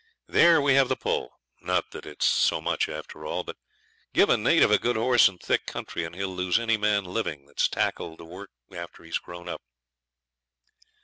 There we have the pull not that it is so much after all. But give a native a good horse and thick country, and he'll lose any man living that's tackled the work after he's grown up.